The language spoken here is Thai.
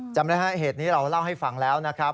จำได้ฮะเหตุนี้เราเล่าให้ฟังแล้วนะครับ